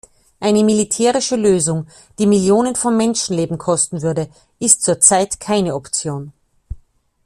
Eine militärische Lösung, die Millionen von Menschenleben kosten würde, ist zur Zeit keine Option.